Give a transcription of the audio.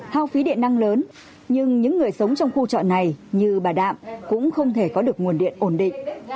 hao phí điện năng lớn nhưng những người sống trong khu trọ này như bà đạm cũng không thể có được nguồn điện ổn định